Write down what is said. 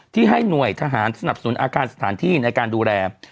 ที่ให้หน่วยทหารสนับสนุนอาการสถานที่ในการดูแล